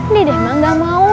dede emang gak mau